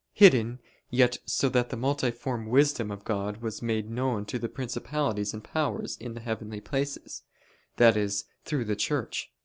Hidden, yet so that the multiform wisdom of God was made known to the principalities and powers in the heavenly places that is, through the Church."